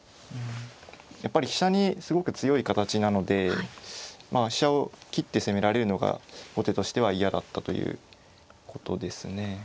やっぱり飛車にすごく強い形なので飛車を切って攻められるのが後手としては嫌だったということですね。